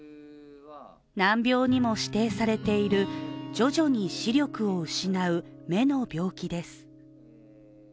難病にも指定されている徐々に視力を失う目の病気です。